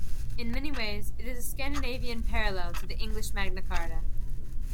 In many ways it is a Scandinavian parallel to the English Magna Carta.